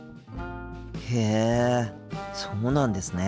へえそうなんですね。